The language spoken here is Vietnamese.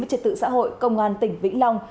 trật tự xã hội công an tỉnh vĩnh long